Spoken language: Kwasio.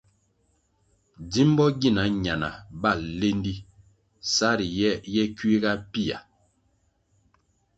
Djimbo gina ñana bal lendi sa riye ye kuiga pia.